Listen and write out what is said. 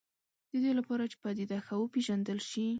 د دې لپاره چې پدیده ښه وپېژندل شي.